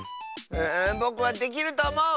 うぼくはできるとおもう！